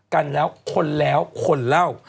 กันแล้วคนแล้วคนเล่า